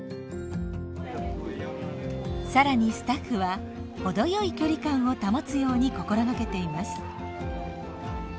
更にスタッフは程よい距離感を保つように心がけています。